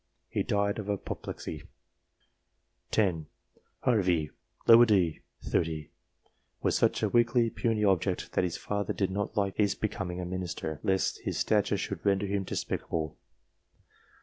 He died of apoplexy. 10. Harvey, d. set. 30, was such a weakly, puny object, that his father did not like his becoming a minister, " lest his stature should render him despicable."